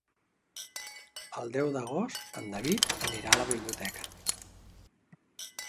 El deu d'agost en David anirà a la biblioteca.